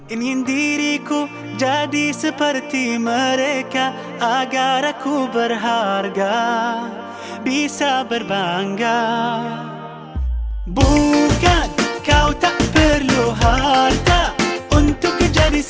amin semoga kita bisa berbicara lagi ya